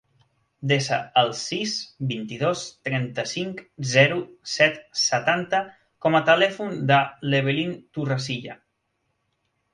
Desa el sis, vint-i-dos, trenta-cinc, zero, set, setanta com a telèfon de l'Evelyn Torrecilla.